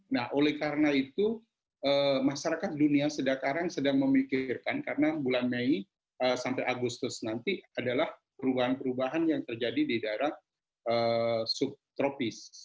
nah oleh karena itu masyarakat dunia sedang memikirkan karena bulan mei sampai agustus nanti adalah perubahan perubahan yang terjadi di daerah subtropis